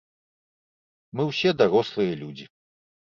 Мы ўсе дарослыя людзі.